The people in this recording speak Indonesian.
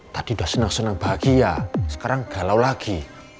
tadi sudah senang senang bahagia sekarang galau lagi